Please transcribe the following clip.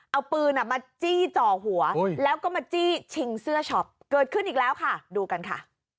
เอาปืนมาจี้จ่อหัวแล้วก็มาจี้ชิงเสื้อช็อปเกิดขึ้นอีกแล้วค่ะดูกันค่ะ